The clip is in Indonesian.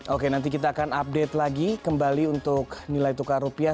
oke nanti kita akan update lagi kembali untuk nilai tukar rupiah